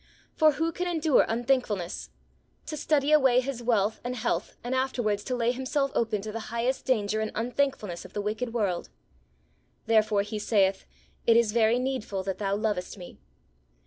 For who can endure unthankfulness? to study away his wealth and health, and afterwards to lay himself open to the highest danger and unthankfulness of the wicked world? Therefore he saith, "It is very needful that thou lovest me."